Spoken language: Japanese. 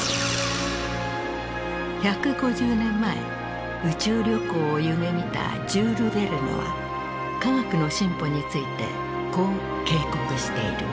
１５０年前宇宙旅行を夢みたジュール・ヴェルヌは科学の進歩についてこう警告している。